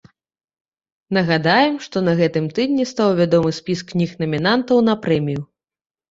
Нагадаем, што на гэтым тыдні стаў вядомы спіс кніг-намінантаў на прэмію.